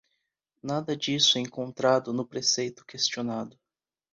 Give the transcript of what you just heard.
Nada disso é encontrado no preceito questionado.